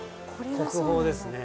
国宝ですね。